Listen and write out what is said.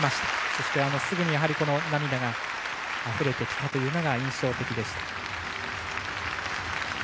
そして、すぐに涙があふれてきたというのが印象的でした。